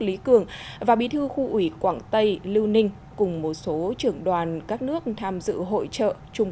lý cường và bí thư khu ủy quảng tây lưu ninh cùng một số trưởng đoàn các nước tham dự hội trợ trung